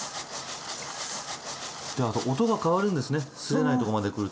であと音が変わるんですねすれないとこまで来ると。